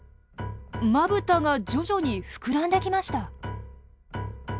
まぶたが徐々に膨らんできました。